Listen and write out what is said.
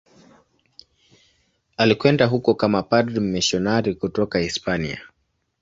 Alikwenda huko kama padri mmisionari kutoka Hispania.